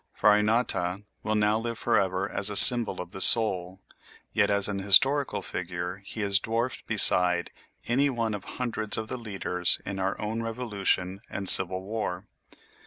Farinata will now live forever as a symbol of the soul; yet as an historical figure he is dwarfed beside any one of hundreds of the leaders in our own Revolution and Civil War.